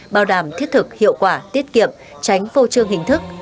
bảo đảm thiết thực hiệu quả tiết kiệm tránh vô chương hình thức